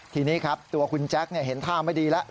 ทีนี้ครับตัวคุณแจ๊คเห็นท่าไม่ดีแล้ว